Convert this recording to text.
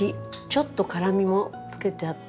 ちょっと辛みもつけてあって。